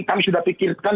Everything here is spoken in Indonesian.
kami sudah pikirkan